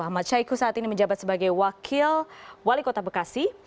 ahmad syahiku saat ini menjabat sebagai wakil wali kota bekasi